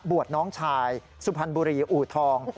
น้องชายสุพรรณบุรีอูทอง